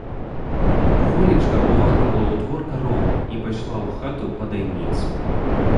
Волечка ўвагнала ў двор карову і пайшла ў хату па дайніцу.